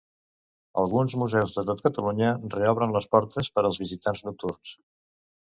Alguns museus de tot Catalunya reobren les portes per als visitants nocturns.